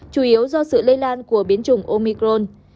chủ yếu do sự lây lan của biến chủng omicron